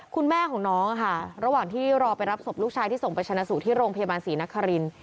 คุณแม่ของน้องค่ะระหว่างที่รอไปรับศพลูกชายที่ส่งไปชนะสูตรที่โรงพยาบาลศรีนคริน